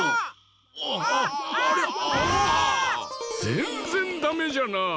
ぜんぜんダメじゃなあ。